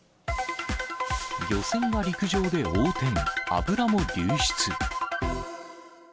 漁船が陸上で横転、油も流出。